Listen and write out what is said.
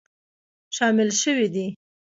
شامل شوي دي